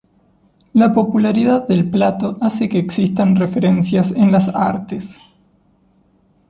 La popularidad del plato hace que existan referencias en las artes.